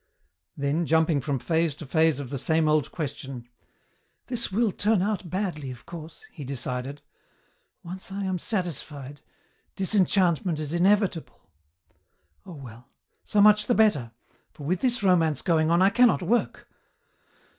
Then, jumping from phase to phase of the same old question, "This will turn out badly, of course," he decided. "Once I am satisfied, disenchantment is inevitable. Oh, well, so much the better, for with this romance going on I cannot work."